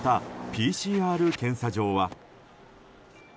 ＰＣＲ検査場は。